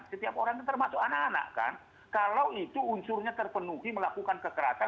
setiap orang termasuk anak anak kan kalau itu unsurnya terpenuhi melakukan kekerasan